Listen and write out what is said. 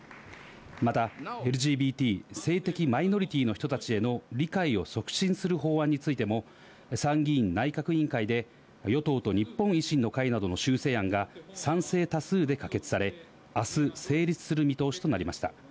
また、ＬＧＢＴ・性的マイノリティーの人たちへの理解を促進する法案についても、参議院内閣委員会で、与党と日本維新の会などの修正案が賛成多数で可決され、あす成立する見通しとなりました。